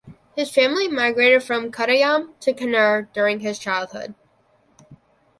His family migrated from Kottayam to Kannur during his childhood.